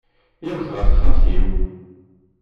Iyyawet ɣer texxamt-iw.